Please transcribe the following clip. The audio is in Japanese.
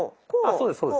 そうですそうです。